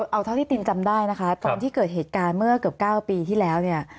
เอาเท่าที่ตีนจำได้ตอนที่เกิดเหตุการณ์เกิบเกือบ๙ปีที่แล้ว